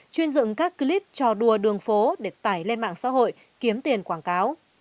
chuyên dựng các clip trò đùa đường phố để tải lên mạng xã hội kiếm tiền quảng cáo